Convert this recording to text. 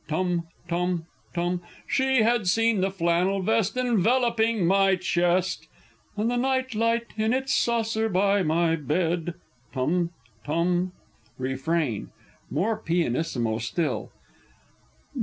(Tum tum tum!) She had seen the flannel vest enveloping my chest, And the night light in its saucer by my bed! (Tum tum!) Refrain (_more pianissimo still.